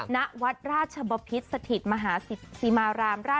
และรับน้ำพระพุทธมนต์